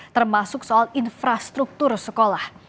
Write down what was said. termasuk soal infrastruktur sekolah